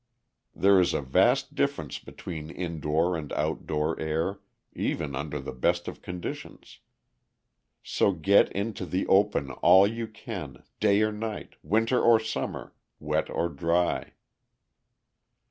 There is a vast difference between indoor and outdoor air, even under the best of conditions; so get into the open all you can, day or night, winter or summer, wet or dry.